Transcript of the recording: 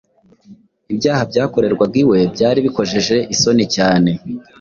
Ibyaha byakorerwaga iwe byari bikojeje isoni cyane